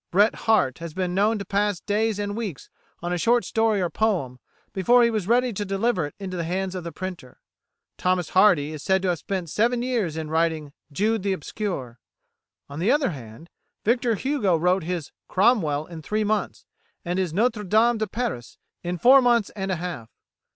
Bret Harte has been known to pass days and weeks on a short story or poem before he was ready to deliver it into the hands of the printer. Thomas Hardy is said to have spent seven years in writing "Jude the Obscure." On the other hand, Victor Hugo wrote his "Cromwell" in three months, and his "Notre Dame de Paris" in four months and a half.